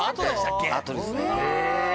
あとですね。